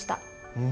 うん。